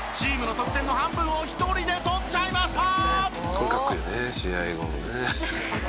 「これかっこいいね試合後のね」